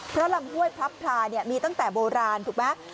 เพราะลำห้วยพลับพลาเนี่ยมีตั้งแต่โบราณถูกไหม